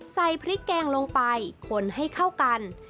ใส่พริกแกงลงไปคนให้เข้ากัน